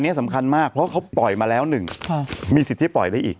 อันนี้สำคัญมากเพราะเขาปล่อยมาแล้วหนึ่งมีสิทธิ์ที่ปล่อยได้อีก